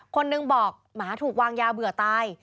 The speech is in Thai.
คนหนึ่งบอกหมาถูกวางยาเบื่อตาย